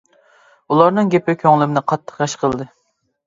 ئۇلارنىڭ گېپى كۆڭلۈمنى قاتتىق غەش قىلدى.